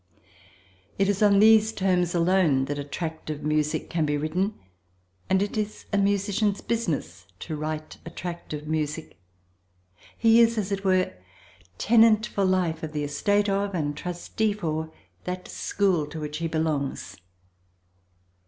It is on these terms alone that attractive music can be written, and it is a musician's business to write attractive music. He is, as it were, tenant for life of the estate of and trustee for that school to which he belongs.